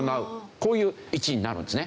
こういう位置になるんですね。